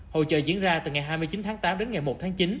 hội trợ diễn ra từ ngày hai mươi chín tháng tám đến ngày một tháng chín